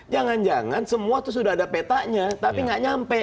jangan jangan semua itu sudah ada petanya tapi nggak nyampe